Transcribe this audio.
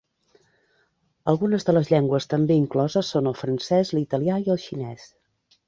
Algunes de les llengües també incloses són el francès, l’italià i el xinès.